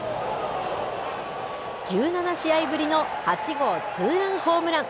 １７試合ぶりの８号ツーランホームラン。